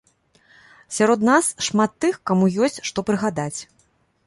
Сярод нас шмат тых, каму ёсць, што прыгадаць.